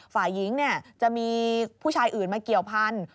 ฝ่ายหญิงจะมีผู้ชายอื่นมาเกี่ยวพันธุ